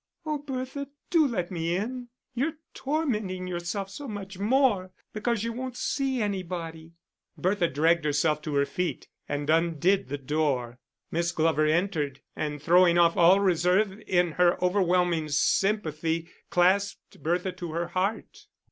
"Oh, Bertha, do let me in. You're tormenting yourself so much more because you won't see anybody." Bertha dragged herself to her feet and undid the door. Miss Glover entered, and throwing off all reserve in her overwhelming sympathy, clasped Bertha to her heart.